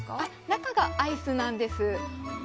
中がアイスなんです。